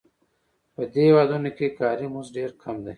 په دې هېوادونو کې کاري مزد ډېر کم دی